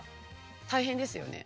大変ですよね。